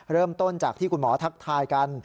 เริ่มต้นจากที่คุณหมอทักทายกัน